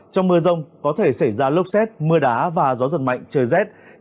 trong mưa rông có thể xảy ra lốc xét mưa đá và gió giật mạnh trời rét nhiệt độ từ một mươi sáu hai mươi hai độ